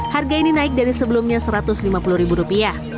harga ini naik dari sebelumnya rp satu ratus lima puluh